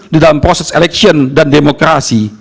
di dalam proses election dan demokrasi